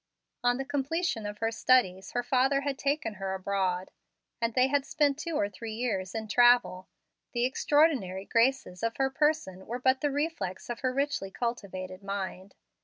On the completion of her studies her father had taken her abroad, and they had spent two or three years in travel. The extraordinary graces of her person were but the reflex of her richly cultivated mind.